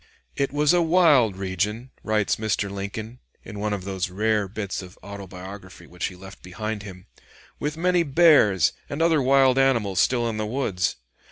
"It was a wild region," writes Mr. Lincoln, in one of those rare bits of autobiography which he left behind him, "with many bears and other wild animals still in the woods.